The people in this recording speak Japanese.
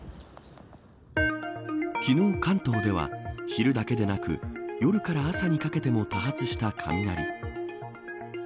昨日、関東では昼だけでなく夜から朝にかけても多発した雷。